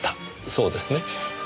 そうですね？